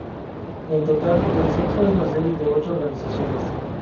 En total, el centro es la sede de ocho organizaciones.